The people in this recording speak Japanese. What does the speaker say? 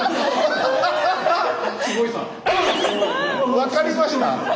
分かりました？